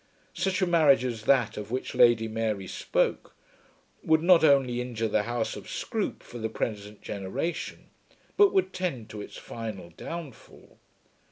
Such a marriage as that of which Lady Mary spoke would not only injure the house of Scroope for the present generation, but would tend to its final downfall.